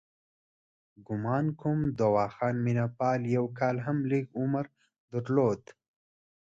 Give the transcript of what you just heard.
ګومان کوم دواخان مینه پال یو کال هم لږ عمر درلود.